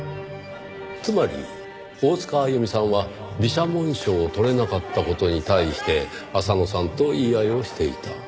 つまり大塚あゆみさんは美写紋賞を取れなかった事に対して浅野さんと言い合いをしていた。